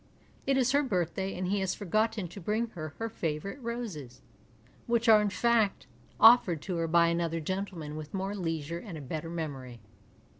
It is her birthday and he has forgotten to bring her her favourite roses, which are in fact offered to her by another gentleman with more leisure and a better memory.